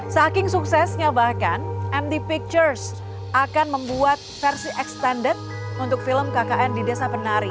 saking suksesnya bahkan md pictures akan membuat versi extended untuk film kkn di desa penari